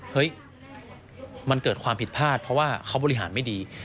เฮ้ยมันเกิดความผิดพลาดเพราะว่าเขาบริหารไม่ดี